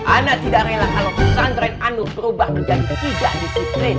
ana tidak rela kalau pesantren anut berubah menjadi ketiga disiplin